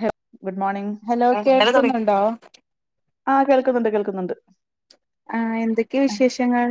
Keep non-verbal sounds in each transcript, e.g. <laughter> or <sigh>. ഹഹ hello കേൾക്കുന്നുണ്ടോ <unintelligible> ആഹ് കേൾക്കുന്ന്ണ്ട് കേൾക്കുന്ന്ണ്ട് ആഹ് എന്തൊക്കെ അഹ് വിശേഷങ്ങൾ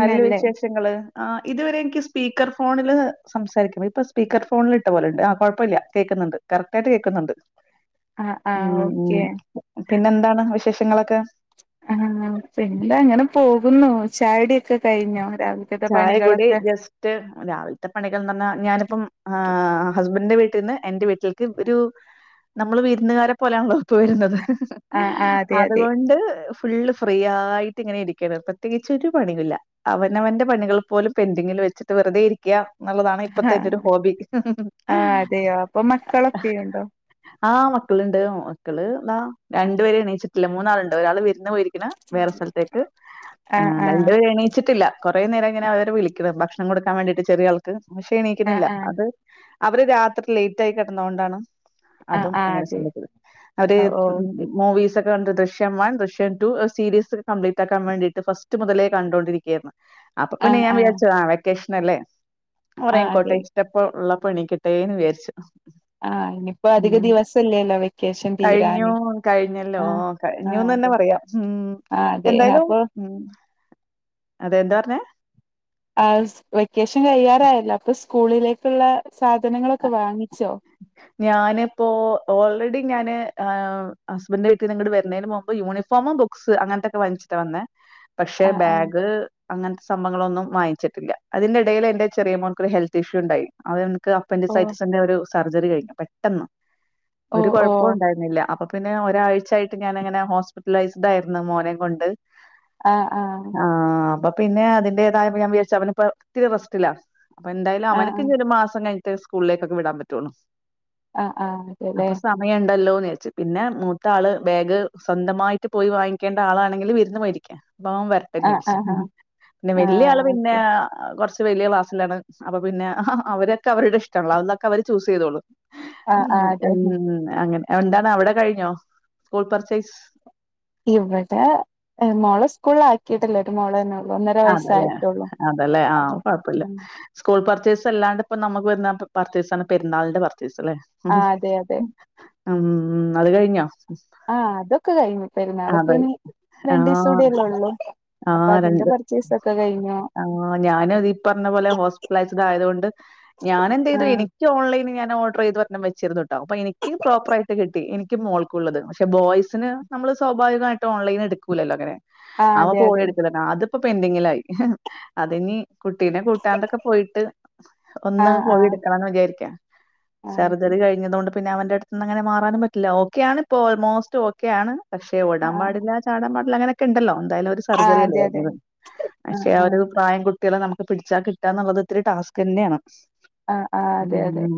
നല്ല വിശേഷങ്ങള് ആഹ് ഇതുവരെ ഇൻക്ക് സ്പീക്കർ ഫോണില് സംസാരിക്കുമ്പ ഇപ്പൊ സ്പീക്കർ ഫോണിൽ ഇട്ടപോലെ ഇണ്ട് ആ കുഴപ്പില്ല കേക്കുന്നെണ്ട്. കറക്റ്റ് ആയിട്ട് കേക്കുന്നുണ്ട് ആഹ് ഇം ആഹ് ഓക്കെ ഇം പിന്നെ എന്താണ് വിശേ ഇങ്ങളൊക്കെ ആഹ് പിന്നെ അങ്ങനെ പോകുന്നു ചാട്യൊക്കെ കഴിഞ്ഞോ രാവിലക്കത്തെ ചായകുടി പണികളൊക്കെ ജസ്റ്റ് രാവിലത്തെ പണികൾന്ന് പറഞ്ഞാൽ ഞാനിപ്പം ആഹ് ഹസ്ബന്റിന്റെ വീട്ടിന്ന് എന്റെ വീട്ടിലേക്ക് ഒരു നമ്മള് വിരുന്നുകാരെ പോലാണല്ലോ ഇപ്പ വരുന്നത് ആഹ് ആഹ് അതെ അതെ അതുകൊണ്ട് ഫുള്ള് ഫ്രീ ആയിട്ട് ഇങ്ങനെ ഇരിക്കണ് പ്രത്യേകിച്ച് ഒരു പണിയുല്ല അവ നവന്റെ പണികൾ പോലും പെന്റിങ്ങിൽ വെച്ചിട്ട് വെറുതെ ഇരിക്ക്യാ എന്നിള്ളതാണ് ഇപ്പത്തെ ആഹ് എന്റൊരു ഹോബി. ആഹ് അതെയോ അപ്പൊ മക്കളൊക്കെയുണ്ടോ ആഹ് മക്കളിണ്ട് മക്കള് ദാ രണ്ടു പേര് എണീച്ചിട്ടില്ല മൂന്നാളുണ്ട്. ഒരാള് വിരുന്ന് പോയിരി ക്കണ്. വേറെ സ്ഥലത്തേക്ക് ആഹ് ഏഹ് ആഹ് രണ്ടുപേര് എണീച്ചട്ടില്ല കുറേ നേരായി ഇങ്ങനെ അവരെ വിളിക്കണ് ഭക്ഷണം കൊടുക്കാൻ വേണ്ടിട്ട് ചെറിയാൾക്ക് പക്ഷെ ആഹ് എണീക്കണില്ല ആഹ് അത് അവര് രാത്രി ലേറ്റ് ആയി കിടന്നകൊണ്ടാണ്. ആഹ് അതും ആഹ് അങ്ങനെ അതെ <unintelligible> അവര് ഓക്കെ മൂവീസ് കണ്ട് ദൃശ്യം വൺ ദശ്യം ടു സീരീസ്യക്ക കംപ്ലീറ്റ് ആക്കാൻ വേണ്ടിട്ട് ഫസ്റ്റ് മുതലേ കണ്ടോണ്ടിരിക്കായിരുന്ന്. അപ്പൊ പിന്നെ ആഹ് ഞാൻ ആഹ് വിചാരിച്ചു ആ വെക്കേഷ നല്ലെ ആഹ് ഒറങ്ങിക്കോട്ടെ അതെ വെച്ചിട്ടപ്പ ഉള്ള ഇപ്പൊ എണിക്കട്ടേന്ന് വിചാരിച്ചു ആഹ് ഇനിയിപ്പോ അധിക ദിവസയില്ലല്ലോ വെ കഴിഞ്ഞോ കഴിഞ്ഞല്ലോ ആഹ് കഴിഞ്ഞുന്ന് തന്നെ അതെ പറയാം ഉം ആഹ് അതെ എന്തായാലും അപ്പൊ ഉം അതെന്താ പറഞ്ഞേ ആ വെക്കേഷൻ കഴിയാറായാല്ലോ അപ്പൊ സ് സ്കൂളിലേക്കുള്ള സാധനങ്ങളൊക്കെ വാങ്ങിച്ചോ ഞാനിപ്പോ ഓൾറെഡി ഞാന് ഹസ്ബെന്റിന്റെ വീട്ടീന് ഇങ്ങട്ട് വരുന്നതിന് മുമ്പ് യൂണിഫോമും ബുക്സ് അങ്ങനത്തെക്കെ വാങ്ങിച്ചിട്ടാ വന്നേ പക്ഷെ ആഹ് ആഹ് ബാഗ് അങ്ങനത്തെ സംഭങ്ങളൊന്നും വാങ്ങിച്ചിട്ടില്ല അതിന്റെ ഇടയിൽ എന്റെ ചെറിയ മോൾക്കൊരു ഹെൽത്ത് ഇഷ്യൂ ഉണ്ടായി അ ഇത് അപ്പന്റെ ഓ സൈറ്റിൽ തന്നെ ഒരു സർജറി കഴിഞ്ഞ് പെട്ടെന്ന് ഓ ഒരു ഓ കുഴപ്പവും ഉണ്ടായിരുന്നില്ല അപ്പൊ- പിന്നെ ഞാൻ ഒരാഴ്ചായിട്ട് ഞാനങ്ങനെ ഹോസ്പിറ്റലൈസിഡായിരുന്നു മോനേം കൊണ്ട് ആഹ് ആഹ് ആഹ് അപ്പൊ പിന്നെ അതിൻ്റെതായ അപ്പൊ ഞാൻ വിചരിച്ചു അവനിപ്പം ഇത്തിരി റസ്റ്റില്ലാ അപ്പൊ എന്തായാലും ആഹ് ആഹ് അവനക്കിനിയൊരു മാസം കഴി കുട്ടികളെ സ്കൂളിലേക്കൊക്കെ വിടാൻ പറ്റുവുള്ളൂ ആഹ് ആഹ് അതെല്ലേ അപ്പൊ സമയുണ്ടല്ലോന്ന് പിന്നെ മൂത്ത ആള് ബാഗ് സ്വന്തമായിട്ട് പോയി വാങ്ങിക്കേണ്ട ആളാണെങ്കിൽ വിരു <unintelligible> ന്ന് വാങ്ങിക്കാം ഇപ്പ വെരട്ടെന്ന് ആഹ് വിചാരിച്ചു ആഹ് ആഹ് പിന്നെ വലിയ ആഹ് ആള് പിന്നെ ഓക്കെ കുറച്ച്- ത്ത് വലിയ ക്ലാസ്സിലാണ് അപ്പൊ പിന്നെ അവരൊക്കെ അവരുടെ ഇഷ്ട്ടങ്ങള് അതന്നൊക്കെ അവര് ചൂസ് ചെയ്തോളും ആഹ് ഉം ആഹ് അതെ ഉം അങ്ങനെ എന്താണ് അവിടെ കഴിഞ്ഞോ സ്കൂൾ പർചേയ്സ് ഇവിടെ എ മോളെ സ്കൂളിലാക്കിട്ടില്ല ഒരു മോളുതന്നെ അതല്ലെ അതല്ലെ ആ അപ്പൊ കൊഴപ്പല്ല ആഹ് സ്കൂൾ പർച്ചെ പർച്ചെയ്‌സ് അല്ലാണ്ട് ഇപ്പോ നമുക്ക് വരുന്ന പർച്ചേസാണ് പെുന്നാളിന്റെ പർച്ചേ ച്ചേസ്സല്ലേ ഹ് ആഹ് അതെ അതെ ഉം അത് കഴിഞ്ഞോ ആ അതൊക്കെ കഴിഞ്ഞു പെരുന്നാൾ ഇപ്പൊ അതെ ഇനി രണ്ട് ദിവസം കൂടിയല്ലേ ഉള്ളൂ ആ അപ്പൊ അതിന്റെ രണ്ട് പർച്ചേസ് ഒക്കെ കഴിഞ്ഞു ആ ഞാനും ഈ പറഞ്ഞ പോലെ ഹോസ്പിറ്റലൈസ്ഡ് ആയത് കൊണ്ട് ഞാന് എന്തേയ്യ്തു ആഹ് എനിക്ക് ഓൺലൈന് ഓർഡർ ചെയ്ത് <unintelligible> വെച്ചിരുന്നുട്ടോ അപ്പൊ എനിക്ക് പ്രോപ്പറായിട്ട് കിട്ടി എനിക്ക് മോൾക്കുള്ളത് പക്ഷെ ബോയ്സിന് നമ്മള് സ്വാഭാവികമായിട്ട് ഓൺലൈൻ എടുക്കൂല്ലാല്ലോ അങ്ങനെ ആഹ് അവൻ അതെ പോയി അതെ <unintelligible> ഇപ്പൊ പെനപെന്റിങ്ങി അതിനി കുട്ടീനെ കൂട്ടാണ്ടൊക്കെ പോയിട്ട് ഒന്ന് ആഹ് പോയി ആഹ് എടുക്കണംന്ന് വിചാരിക്കാ ആഹ് ഓക്കെ സർജറി കഴിഞ്ഞതോണ്ട് പിന്നെ അവന്റെ അടുത്ന്ന് അങ്ങനെ മാറാനും പറ്റില്ല ഓക്കെ ആണ് ഇപ്പോ ഓൾമോസ്റ്റ് ഓക്കെയാണ് പക്ഷെ ഓടാൻ ആഹ് പാടില്ല ചാടാൻ പാടില്ല കിണ്ടല്ലോ എന്തായാലും ഒരു ആഹ് സർജറി അതെ അതെ അല്ലേ ആഹ് <unintelligible> അവര് ആഹ് പ്രായം കു കുട്ടികളെ നമുക്ക് പിടിച്ചാ കിട്ടാന്നുള്ളത് ഒത്തിരി ടാസ്ക് തന്നെയാണ് ആഹ് ആഹ് ഉം അതെ അതെ ഉം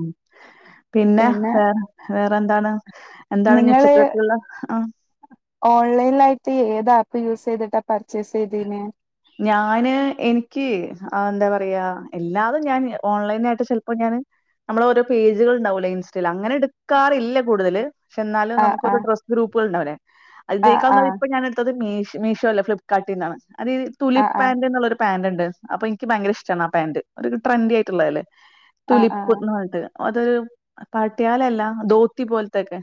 പിന്നെ വേറെ വേറെ പ്പ എന്താണ് എന്താണ് ഇനി നിങ്ങള് ഉച്ചക്കത്തേക്കുള്ള ആ ഓൺലൈലായിട്ട് ഏത് ആപ്പ് യൂസ്ചെത പർച്ചേസ് യ്യ്തേനെ ഞാന് എനിക്ക് അ എന്താ പറയാ എല്ലാതും ഞാൻ ഓൺലൈനായിട്ട് ചിലപ്പോ ഞാന് നമ്മള് ഓരോ പേജുകള് ഇണ്ടാവൂലോ ഇൻസ്റ്റഅ ങ്ങനെ എടുക്കാറില്ല കൂടുതല് ക്ഷെ എന്നാലും ആഹ് നമുക്കൊരു ആഹ് ഡ്രസ് ഗ്രൂപ്പുകളുണ്ടാല്ലേ ആഹ് <unintelligible> മീശോ അല്ല ഫ്ലിപ്പ്കാട്ടീന്നാണ് അത് ആഹ് പുലിപ്പാൻറ് ന്നുള്ളൊരു പാന്റ് ണ്ട് അപ്പൊ എനിക്ക് ഭയങ്കര ഇഷ്ടാണ് ആ പാന്റ് അതൊരു ട്രെൻഡി ആയിട്ടുള്ളതല്ലെ ആഹ് തുലിപ്പ് ആഹ് ന്ന് പറഞ്ഞിട്ട് അതൊരു പാട്ട്യാലല്ല ധോത്തി പോലത്തൊ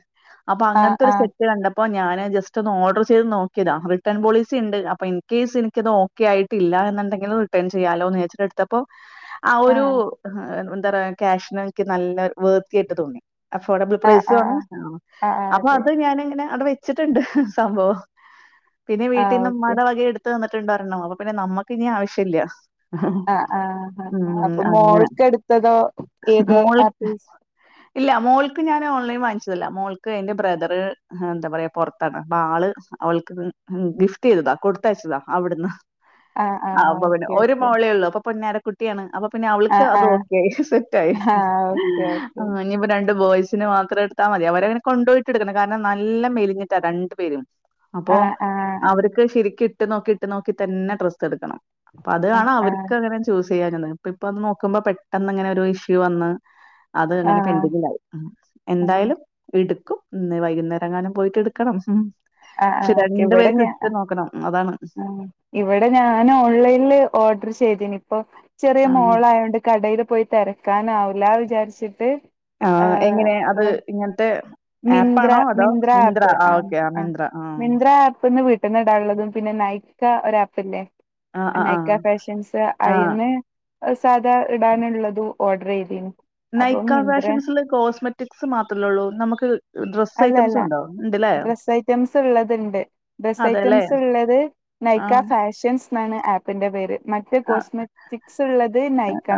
അപ്പൊ ആഹ് അങ്ങനത്തൊരു ആഹ് സെറ്റ് കണ്ട പ്പോ ഞാനത് ജസ്റ്റ് ഒന്ന് ഓർഡർ ചെയ്ത് നോക്കിതാ റിട്ടേൺ പോളിസി ഇണ്ട് അപ്പോ ഇൻ കേസ് ഇൻക്കത് ഓ ക്കെ ആയിട്ടില്ല എന്നണ്ടെങ്കിതു റിട്ടേൺ ചെയ്യാലോന്നുചാരിച്ചെടുത്തപ്പോ ആ ആഹ് ഒരു ഹ് എ ന്തറായ ക്യാഷിനൊക്ക് നല്ല വേർത്തി ആയിട്ട് തോന്നി. അഫോർഡബിൾ ആഹ് പ്രൈസു ആഹ് ആഹ് ആഹ് ആണ് ആഹ് ആ ആഹ് അപ്പോ അതെ അത് ഞാനങ്ങനെ അവടെ വെ ച്ചിട്ടുണ്ട് സംഭവം. പിന്നെ ആഹ് വീട്ടിന്ന് ഓക്കെ ഉമ്മാടെ വകെ എടുത്ത് തന്നി ട്ട്ണ്ടാ ർന്നു അപ്പൊ പിന്നെ നമ്മക്ക് ഇഞ്ഞി ആവശ്യല്ല ഉം ആഹ് ആഹ് അപ്പൊ അങ്ങനെ മോൾക്ക് എടുത്തതോ ഏത് മോൾ ആപ്പ് യൂസ് ഇല്ല മോൾക്ക് ഞാന് ഓൺലൈൻ വാങ്ങിച്ചതല്ല മോൾക്ക് എന്റെ ബ്രദറ് ഹ് എന്താ പറയാ പുറത്താണ് പ്പൊ ആള് അവൾക്ക് ഗിഫ്റ്റിതതാ കൊടുത്തയച്ചതാ അവിടുന്ന് ആഹ് ആ ആഹ് അപ്പോ പിന്നെ ഓക്കെ ഒരു ഓക്കെ മോളേ ഒള്ളൂ അപ്പൊ പൊന്നാര കുട്ടിയാണ് അപ്പോ പിന്നെ അവൾക്ക് ആഹ് അത് ആഹ് ഓക്കെയി സെറ്റായി ആഹ് ഓക്കെ ആ ഓക്കെ ഇനിപ്പോ രണ്ട് ബോയ്സ് സിന് മാത്രം എടുത്താ മതി അവരെനെ കൊണ്ടോയിട്ട് എടുക്കണം കാരണം നല്ല മെലിഞ്ഞിട്ടാ രണ്ട് പേരും അപ്പോ ആഹ് ആഹ് അവര്ക്ക് ശരിക്ക് ട്ട് നോക്കിട്ട് നോ ക്കി തന്നെ ഡ്രസ്സെടുക്കണം അപ്പൊ ആഹ് അതാണ് ആഹ് അവര്ക്കങ്ങനെ ചൂസീയ്യാഞ്ഞത് ത്ത് പ്പോം നോക്കുമ്പോ പെട്ടെന്ന് ഇങ്ങനെ ഒരു ഇഷ്യൂ വന്ന് അത് അങ്ങനെ ആഹ് പെൻഡിങ്ങിലായി ആഹ് ആഹ് എന്തായാലും ഇടു ക്കും ഇന്ന് വൈകുന്നേരങ്ങാനും പോയിട്ട് എടുക്കണം. ഹ് ക്ഷെ ആഹ് ഓക്കെ രണ്ട് ഇവിടെ പേർക്ക് ഞാൻ ഇട്ടു നോക്കണം അതാണ്. ആഹ് ഇവിടെ ഞാന് ഓൺലൈനില് ഓഡർ ചെയ്തീനി പ്പൊ ചെറിയ ആഹ് മോളായോണ്ട് കടേല് പോയി തെ നിക്കാനാവൂല വിചാര്ച്ചിട്ട് ആ എങ്ങനെ അത് ഇങ്ങൻത്തെ ആപ്പാണോ അതോ മിന്ത്ര ആ ഒക്കെ ആ. അ മിന്ത്ര ആ മിന്ത്ര ആപ്പ് ന്ന് വി ട്ട്ന്ന് ഇടാൻ ഉള്ളതും പിന്നെ നൈക്ക ഒരാപ്പ് ല്ലേ. ആഹ് ആഹ് ആഹ് നൈക്ക ഫാഷൻസ് ആഹ് അയിന്ന് ഒ സാധാ ഇടാനുള്ളത് ഓഡർ എയ്തീന്. നൈക്ക ഫാഷൻസില് കോസ്മെറ്റിക്സ് മാത്രല്ലേ ള്ളൂ. നമുക്ക് ഡ്രസ്സ് അല്ല ഐറ്റംസ് അല്ല ഉണ്ടോ ഉണ്ട് ല്ലേ. ഡ്രസ്സ് ഐറ്റംസ് ഇള്ളത്ണ്ട്. ഡ്രസ് ഐറ്റംസ് ഇള്ളത് നൈക്ക ഫാഷൻസ്. ന്നാണ് ആപ്പിന്റെ പേര്. മറ്റേ അ കോസ്മെറ്റിക്സ് ഉള്ളത്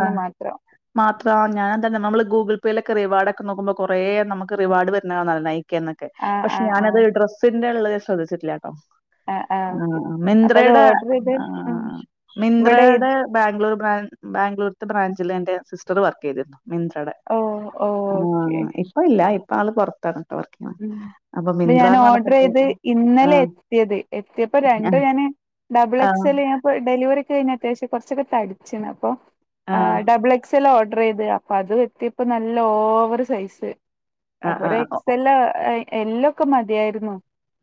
ആ മാത്രം മാത്ര ഞാൻ തന്നെ നമ്മള് ഗൂഗിൾ പ്പിലൊക്കെ റിവർഡൊക്കെ നോക്കുമ്പോ കൊറേ നമുക്ക് റിവാർഡ് വരു <unintelligible> ക്കെന്നൊക്കെ ആഹ് പക്ഷെ ആഹ് ഞാനത് ആഹ് ഡ്രസ്സി ന്റെ ഉള്ളത് ശ്രദ്ധിച്ചിട്ടില്ലട്ടോ ആഹ് ആഹ് ഓക്കെ അപ്പൊ അത് മിന്ത്രയുടെ ഓർഡർ ചെയ്ത് അഹ് ഉം ആഹ് ഇവിടെ മിന്ത്രയുടെ ഇത്- ബാംഗ്ലൂാർ ബ്രാ ബാംഗ്ലൂർത്തെ ബ്രാഞ്ചിലെന്റെ സിസ്റ്റർ വർക്ക് ചെയ്തിരുന്നു. മിന്ത്രടെ ഓ ഓക്കെ ആഹ് ഇപ്പം ഇല്ല ഇ പ്പ ആള് പൊറത്താണ് ഉം ഇത് ഞാനോഡറ് പറഞ്ഞപ്പോഴത്തേ ചെയ്ത് ഇന്നലെ ആഹ് എത്തിയത്. എത്തിയപ്പോ രണ്ട് ഞാ- ഞാന് ഡബിൾ ആഹ് എക്സല് ഞാൻ പ്പോ ഡെലിവറി കഴിഞ്ഞ അത്യാവിശ്യം കൊർച്ചൊക്കെ തടിച്ചിണ് അപ്പൊ ആഹ് ഡബിൾ എക്സ്ലാ ഓ ഡറെയ്ത് അപ്പൊ അത് എത്തിയപ്പോ നല്ല ഓവറ് സൈസ്. അഹ് ആഹ് ഓ ഏഹ് എല്ലൊക്കെ മതിയായിരുന്നു.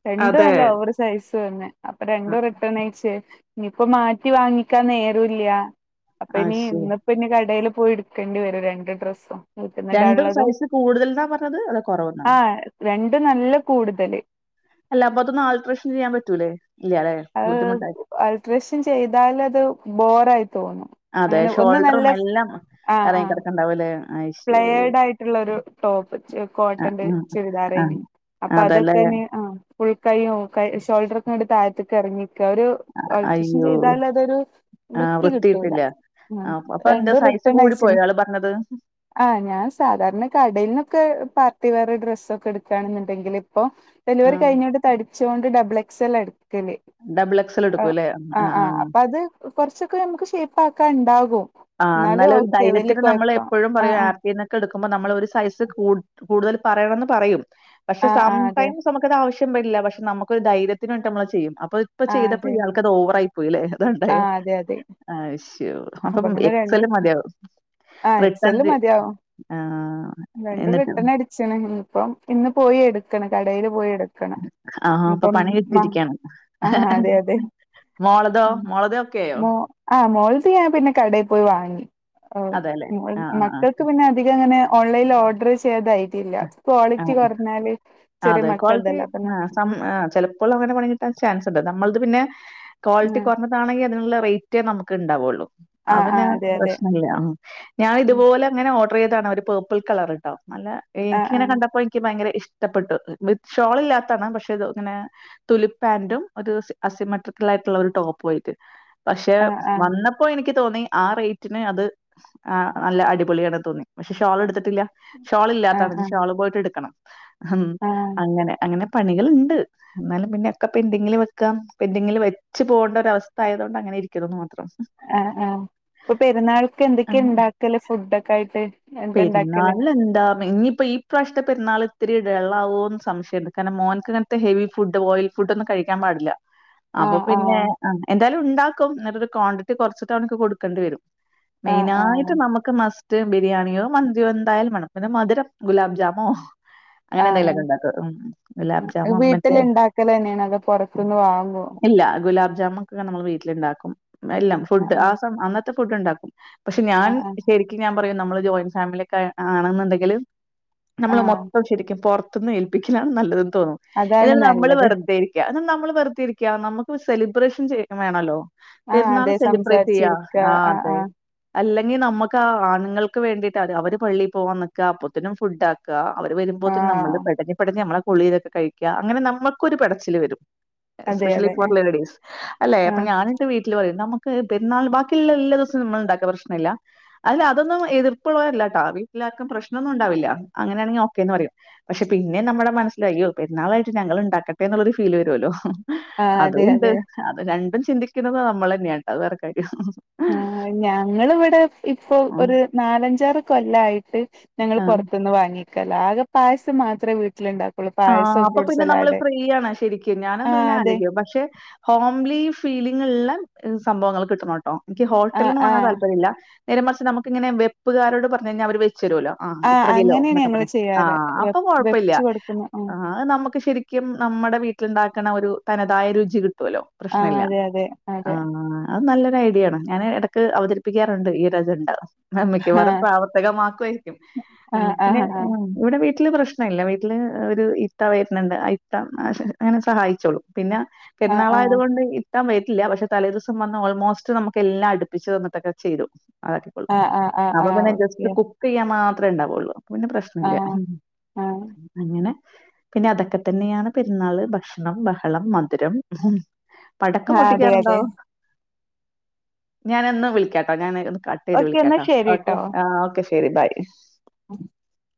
രണ്ടും അതെ നല്ല ഓവറ് സൈസ് തന്നെ, അപ്പൊ ആഹ് രണ്ടും റിട്ടേൺ അയച്ച്. ഇനിപ്പോ മാറ്റി വാങ്ങിക്കാൻ നേരൂല്യ. അപ്പൊ ആഹ് ഇനി ശരി ഇന്നിപ്പ ഇനി കടേല് പോയി എടുക്കേണ്ടി വെരും രണ്ട് ഡ്രസ്സും. രണ്ടും വീട്ടിന്നിടാനുള്ളതും സൈസ് കൂടുതൽന്നാ പറഞ്ഞത് അതോ കൊറവ് ണാ ആഹ് രണ്ട് നല്ല കൂടുതല് അല്ല അപ്പൊ അത് ഒന്ന് ആൾട്ടറേഷൻ ചെയ്യാൻ പറ്റൂലെ ഇയാ അഹ് ഓൾട്ടറേഷൻ ചെയ്താല് അത് ബോറായി തോന്നും അതെ അങ്ങനെ ഒന്ന് നല്ല ഷോൾഡറും എല്ലാം എറങ്ങി കെടക്ക്ണ്ടാവും ല്ലെ? ഫ്ലെയർഡ് ആയിട്ടിള്ള ഒരു ടോപ് ചെ ആഹ് കോട്ടന്റെ ആഹ് ചുരിദാറെനി അപ്പ ആഹ് അതല്ലേ അതൊക്കെ ഇനി അഹ് ഫുൾ കൈ ഒക്കെ ഷോൾഡറ് ങ്ങട്ട് താഴത്തേക്ക് എറങ്ങി ഒരു അൾട്രഷൻ അയ്യോ ചെയ്താൽ അതൊരു ആഹ് വൃത്തി കിട്ടൂല വൃത്തിയിട്ടില്ല. മ് ആഹ് അപ്പൊ അപ്പൊ എന്റെ രണ്ടും സൈസ് റിട്ടേൺ അയച്ച്ന് കൂടിപ്പോയോ ആള് പറഞ്ഞത്? അഹ് ഞാൻ സാധാരണ കടെൽന്നൊക്കെ പാർട്ടിവെയറ് ഡ്രസ്സ്‌ ഒക്കെ എടുക്കാണെന്നുണ്ടെങ്കില് പ്പോ ഡെലിവറി ആഹ് കഴിഞ്ഞോണ്ട് ത ച്ചോണ്ട് ഡബിൾ എക്സൽ അടി ക്കല് ഡബിൾ എക്സൽ ആഹ് എടുക്കുംല്ലേ? ആഹ് ആഹ് അപ്പ അത് കൊറച്ചൊക്കെ നമുക്ക് ഷേപ്പ് ആ ക്ക ഇണ്ടാകും ആഹ് എന്നാലൊരു ധൈര്യത്തിന് നമ്മള് എപ്പൊഴും ആ കൊറേ ആ ആപ്പിന്നൊക്കെ എടുക് <unintelligible> നമ്മളൊര് സൈസ് കൂട്ട് കൂടുതൽ പറയണെന്ന് പറയും പക്ഷെ ആ ആ അതെ സംടൈംസ് നമ്ക്കത് ആവശ്യ <unintelligible> ഇല്ല പക്ഷെ നമ് ക്കൊരു ധൈര്യത്തിന് വേണ്ടിട്ട് നമ്മള് അത് ചെയ്യും അ പ്പ ഇപ്പ ആ അതെ ചെയ്തപ്പ ഇയാൾക്കത് ഓവറായി പോയെല്ലേ ണ്ട ണ്ടെ അഹ്‌ ശോ അപ്പങ്ങനെ രണ്ടും ആ എക്സലൽ മതിയാവും ആ രണ്ടും റിട്ടണ് അടിച്ച്ണ് നമ്മള് ഇപ്പം പിന്നെ പോയി എട് ക്കണ് കടേല് പോയി എട്ക്കണ് ആഹ് ഇനി അപ്പൊ ഇപ്പം പണി അ കിട്ടിയിരിക്കാണ്. ആ അതെ അതെ മോളതോ മ് മോളത് ഓക്കെയായോ? മോ അ മോൾത് ഞാൻപിന്നെ കടെ പോയിവാങ്ങി ഒ അതെല്ലേ ഓൽ ആഹ് ആഹ് ആഹ് മക്കൾക്ക് പിന്നെ അധിക അങ്ങനെ ഓൺലൈനിൽ ഓർഡർ ചെയ്തായി അ ആണോ ചെറിയ അതെ ക്വാളിറ്റി മക്കൾതല്ലേ അപ്പൊ അ സം ആഹ് അ ചെലപ്പോൾ അങ്ങനെ പണികിട്ടാൻ ചാൻസ് ഇണ്ട് നമ്മൾത് പിന്നെ ക്വാളിറ്റി കുറഞ്ഞതാണെങ്കി അതിന്ള്ള റേറ്റെ നമ്ക്ക് ഇണ്ടാവൊള്ളൂ ആഹ് അതിന് ആഹ് അതെ അതെ പ്രശ്നം ഇല്ല അ ഞാൻ ഇത് പോലെങ്ങനെ ഓ <unintelligible> ഒരു പേർപ്പിൾ കളർട്ടോ നല്ല ആഹ് എനിക്ക്ങ്ങനെ ആഹ് കണ്ടപ്പോ എനിക്ക് ഭയങ്കര ഇഷ് ഇഷ്ടപ്പെട്ടു വി ഷോൾ ഇല്ലാത്താണ് പക്ഷെ അത് ഇങ്ങനെ തുലി പാന്റും ഒരു അസിമെട്രിക്കൽ ആയിട്ടുള്ള ഒരു ടോപ്പമായിട്ട് പക്ഷെ ആഹ് ആഹ് വന്നപ്പോ എനിക്ക് തോന്നി ആ റേറ്റന് അത് നല്ല അടിപൊളിയ തോന്നി പക്ഷെ ഷാൾ ഷോൾ ഇല്ലാത്ത ആഹ് തടഞ്ഞു ആഹ് ഷാള് പോയിട്ട് എടുക്കണം ഉം ആഹ് അങ്ങനെ അങ്ങനെ പണികളുണ്ട് എന്നാലും പിന്നെ ഒക്കെ പെൻറിങ്ങിൽ വെക്കാം പെൻഡിങ്ങിൽ വെച്ച് പോകേണ്ട ഒ അവസ്ഥ ആയതുകൊണ്ട് അങ്ങനെ ഇരിക്കുന്നു ആ ആ ഇപ്പൊ പെരുന്നാൾക്ക് എന്തൊക്കെയ ഉണ്ടാക്കല്ലേ ഫുഡ ഒക്കെ ആയിട്ട് എന്താ ഇണ്ടാക്കല് പെരുന്നാൾ എന്താ ഇനിയിപ്പ ഈ പ്രാവശ്നത്തെ എന്നാള ഇത്തിരി ഡെള്ളാവ്വോന്ന് സംശയ ഉണ്ട് കാരണം മോനക്ക് അങ്ങനത്തെ ഹെവി ഫുഡ് ഓയിൽ ഫുഡ് ഒന്നും കഴിക്കാൻ പാടില്ല അപ്പൊ ആഹ് പിന്നെ ആഹ് ആ ഇന്താല ഉണ്ടാക്കും എന്നാലൊരു ക്വാണ്ടിറ്റി കുറച്ചിട്ട് അവണക്ക് കൊടുക്കണ്ടി വരും ആഹ് മെയിന ആഹ് ആയിട്ട് നമുക്ക് മസ് <unintelligible> ബിരിയാണിയോ മന്തിയോ എന്തായാലും വേണം പിന്നെ മധുരം ഗുലാബ് ജാമോ അങ്ങനെ ആഹ് എന്തെങ്കിലുമൊക്കെ ഉണ്ടാക്കും ഉം ഗുലാബ് ആഹ് ജാമൊ മറ്റേ വീട്ടില് ഇണ്ടാക്കല് തന്നെയാണ് അതോ പൊറത്തുന്ന് വാങ്ങോ ഇല്ല ഗുലാബ് നമ്മക്ക് നമ്മള് വീട്ടിലുണ്ടാക്കും എല്ലാം ആഹ് ഫുഡ് ആ ആഹ് സ അന്ന <unintelligible> ഫുടുണ്ടാക്കും പക്ഷെ ഞാൻ ആഹ് ആഹ് ശരിക്കും ഞാൻ പറയും നമ്മള് ജോയിന്റ് ഫാമിലി ഒക്കെ ആയി ആണെന്നുണ്ടെങ്കിൽ നമ്മള് ആഹ് മൊത്തം ശരിക്കും പുറ തുന്ന് ഏൽപ്പിക്കലാണ് നല്ലത് തോന്നും അതാണ് എന്നിട്ട് നമ്മള് നല്ലത് വെറുതെരിക്കുക എന്ന നമ്മള് വെറുതേരിക്ക നമുക്ക് സെലിബ്രേഷൻ ചെയ്യൻ വേണമല്ലോ ആഹ് പെരുന്നാൾ അതെ സെലിബ്രേറ്റ് ചെയ്യാ സംസാരിച്ചിരിക്ക ആ ആഹ് അതെ ആഹ് അല്ല നമുക്ക് ആണുങ്ങൾ ക്ക് വേണ്ടിട്ട് അവര് പള്ളിയിൽ പോവാൻ നിക്കുക അപ്പത്തിനും ഫുഡ് ആക്കുക അവര് വരുമ്പോത്തേനും നമ്മള് ആഹ് പെടഞ് പെടഞ് നമ്മള <unintelligible> ലൊക്കെ കഴിക്കുക അങ്ങനെ നമുക്കൊരു പെടച്ചില് വരും അതെ എസ്പെഷ്യലി അതെ ഫോർ ലേഡീസ് അല്ലെ അപ്പൊ ആഹ് ഞാനിട്ട് വീട്ടിൽ പറയും നമ്മുക് പെരുന്നാൾ ബാക്കിയുള്ള എല്ലാ ദിവസവും നമ്മൾ ഉണ്ടാക്ക പ്രശ്നമില്ലല് അതി അതൊന്നും എതിർപ്പുള്ളവരല്ല കേട്ടാ വീട്ടിലാർക്കും പ്രശ്നൊന്നും ഉണ്ടാവില്ല അങ്ങനെയാണെങ്കിൽ ഓക്കേന്ന് പറയും പക്ഷെ പിന്നെ നമ്മുടെ മനസ്സിലായി അയ്യോ പെരുന്നാളായിട്ട് ഞങ്ങള്ണ്ടാക്കട്ടെ എന്നുള്ളൊരു ഫീൽ വരുമല്ലോ ആഹ് അതെ അതൊണ്ട് അതെ അത് രണ്ടും ചിന്തിക്കുന്നത് നമ്മൾ തന്നെയാട്ടോ അത് വേറെ കാര്യം ആ ഞങ്ങള് ഇവിടെ ഇപ്പോ ആ ഒരു നാലഞ്ചാറ് കൊല്ലായിട്ട് ഞങ്ങൾ ആ പുറത്തുനിന്ന് വാങ്ങി <unintelligible> ആകെ പായസം മാത്രമേ വീട്ടിലുണ്ടാക്കല് ആ അപ്പൊ പിന്നെ നമ്മള് ഫ്രീ ആണ് ശരിക്കും ഞാന് ആഹ് ഇങ്ങനെ അതെ ആലോചിക്കും പക്ഷെ ഹോംലി ഫീല് ള്ള സംഭവങ്ങൾ കിട്ടണോ എനിക്ക് ആഹ് ഹോട്ടലൽന്നും വാങ്ങാൻ ആഹ് താല്പര്യമില്ല നേരെ മറിച്ച് നമക്കിങ്ങനെ വെപ്പുകാരോട് പറഞ്ഞു കയിഞ്ഞ അവര് വെ ച്ചരുമല്ലോ ആഹ് ഇത്ര കിലോ അങ്ങനെയാണ് എന്നൊക്കെ ഞങ്ങള് പറഞ്ഞു ചെയ്യാറ് ആഹ് വെ അപ്പൊ കൊഴപ്പില്ല വെച്ച് കൊടുക്കുന്ന ആഹ് നമുക്ക് ശരി ക്കും നമ്മുടെ വീട്ടിലുണ്ടാക്കണ ഒരു തനതായ രുചി കിട്ട് <unintelligible> ആഹ് പ്രശ്നല്ല അതെ അതെ അതെ ആത് നല്ല ഐഡിയ ആണ് ഞാന് ഇടക്ക് അവതരിപ്പിക്കാറുണ്ട് ഈ ഒരു അജണ്ട മിക്കവാറും ആഹ് പ്രാവർത്തികമാക്കുമായിരിക്കും ആഹ് പിന്നെ ആഹ് ഇവിടെ വീട്ട വീട്ടില് പ്രശ്നമല്ല വീട്ടില് ഒരു ഇത്ത വരുന്നുണ്ട് ആ ഇത്ത അങ്ങനെ സഹായിച്ചോളൂ പിന്നെ ആഹ് ആഹ് പെരുന്നാളായത കൊണ്ട് കിട്ടാൻ പറ്റില്ല പക്ഷെ തലേദിവസം വന്ന് ഓൾമോസ്റ്റ് നമുക്ക് എല്ലാം അടുപ്പിച്ചച്ച് തന്നിട്ടൊക്കെ ചെയ്തു അളൂ ആഹ് ആഹ് അവ ആഹ് ആഹ് ആഹ് പിന്നെ ഓക്കെ ജസ്റ്റ് കുക്ക് ചെയ്യാ അത്ര ഉണ്ടാവള്ളൂ പിന്നെ പ്രശ്നല്ല ആഹ് ആഹ് പിന്നെ അതൊക്കെ തന്നെയാണ് പെരുന്നാള് ഭക്ഷ കഷ്ണം ബഹളം മധുരം ഉ പടക്കം ആഹ് അതെ അതെ പൊട്ടിക്കാറുണ്ടാവ ഞാന എന്ന വിളിക്കാട്ടോ ഞാൻ കട്ട് ചെയ്ത് ഓക്കെ എന്നാ വിളിക്കാട്ടാ ഓക്കെ ശരിട്ടോ ആ ഓക്കെ ശരി ബൈ <inaudible>